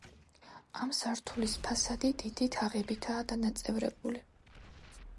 ამ სართულის ფასადი დიდი თაღებითა დანაწევრებული.